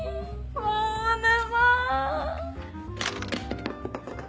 もう沼！